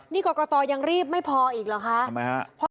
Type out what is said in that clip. นี่กกตรองรีบไม่พอหรือคะ